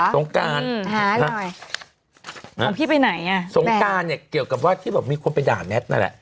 สงการหาหน่อยของพี่ไปไหนอ่ะสงการเนี่ยเกี่ยวกับว่าที่แบบมีคนไปด่าแมทนั่นแหละ